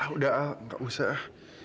udah gak usah